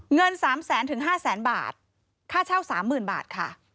เงิน๓แสนถึง๕แสนบาทค่าเช่า๓๐๐๐บาทค่ะ